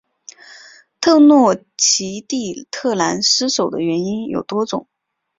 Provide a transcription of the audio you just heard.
特诺奇蒂特兰失守的原因有多种。